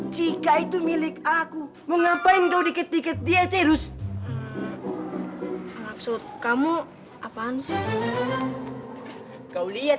jika itu milik aku mengapain kau diketik dia terus maksud kamu apaan sih kau lihat